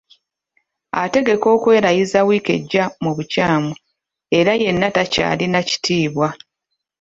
Ategeka okwerayiza wiiki ejja mu bukyamu era yenna takyalina kitiibwa.